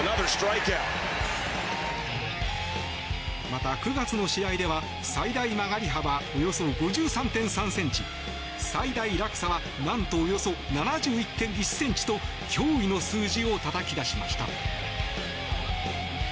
また９月の試合では最大曲がり幅およそ５３．３ｃｍ最大落差は何と、およそ７１．１ｃｍと驚異の数字をたたき出しました。